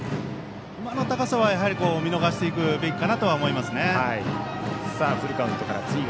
今の高さは見逃していくべきかと思います。